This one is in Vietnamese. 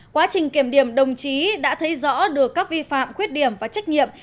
quá trình kiểm điểm đồng chí đã thấy rõ được các vi phạm khuyết điểm và trách nhiệm